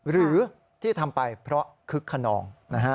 หรือที่ทำไปเพราะคึกคนนอง